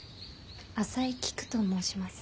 浅井キクと申します。